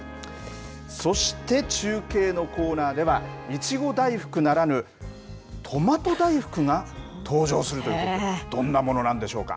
そして、中継のコーナーでは、いちご大福ならぬ、トマト大福が登場するということで、どんなものなんでしょうか。